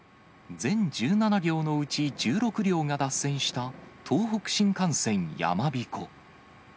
全１７両のうち１６両が脱線した東北新幹線やまびこ。